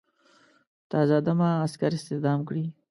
تازه دمه عسکر استخدام کړي.